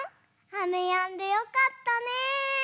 あめやんでよかったね。